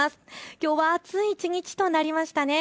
きょうは暑い一日となりましたね。